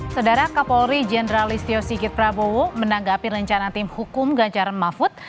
sedara kapolri jendralist tio sigit prabowo menanggapi rencana tim hukum ganjar mafud